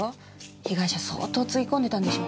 被害者相当つぎ込んでたんでしょ？